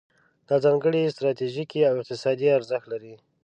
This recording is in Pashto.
دا ځانګړی ستراتیژیکي او اقتصادي ارزښت لري.